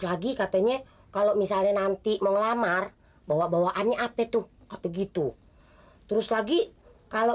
lagi katanya kalau misalnya nanti mengelamar bawa bawaannya apa tuh begitu terus lagi kalau